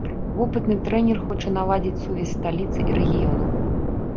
Вопытны трэнер хоча наладзіць сувязь сталіцы і рэгіёнаў.